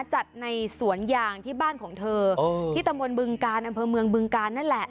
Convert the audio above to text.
จัดในสวนยางที่บ้านของเธอที่ตำบลบึงกาลอำเภอเมืองบึงกาลนั่นแหละ